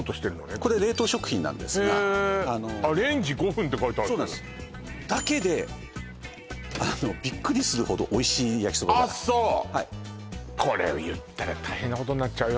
これ冷凍食品なんですがレンジ５分って書いてあるだけであのビックリするほどおいしい焼きそばがあっそうはいこれを言ったら大変なことになっちゃうよ